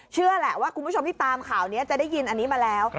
เชื่อแหละว่าคุณผู้ชมที่ตามข่าวนี้จะได้ยินอันนี้มาแล้ว